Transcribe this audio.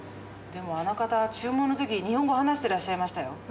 でもあの方注文の時日本語話してらっしゃいましたよ。